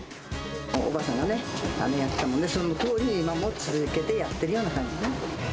おばあさんがね、やっていた味をそのとおりに今も続けてやってる感じね。